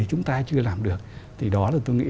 chúng ta chưa làm được thì đó là tôi nghĩ